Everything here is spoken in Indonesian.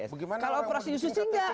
bagaimana kalau operasi justru tinggal